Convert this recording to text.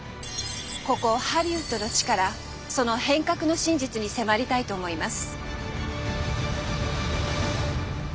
ここハリウッドの地からその変革の真実に迫りたいと思います。